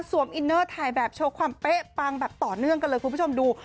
อินเนอร์ถ่ายแบบโชว์ความเป๊ะปังแบบต่อเนื่องกันเลยคุณผู้ชมดู